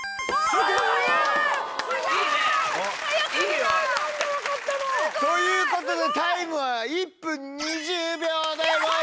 すごい。ということでタイムは１分２０秒でございます。